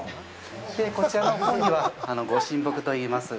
こちらのほうには、御神木といいます。